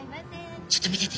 ちょっと見てて。